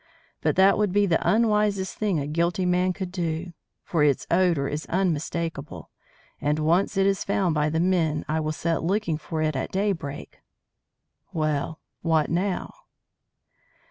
But that would be the unwisest thing a guilty man could do. For its odour is unmistakable, and once it is found by the men I will set looking for it at daybreak Well, what now?"